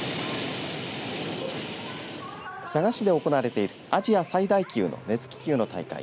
佐賀市で行われているアジア最大級の熱気球の大会